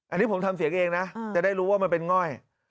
อันนี้ผมทำเสียงเองนะจะได้รู้ว่ามันเป็นง่อย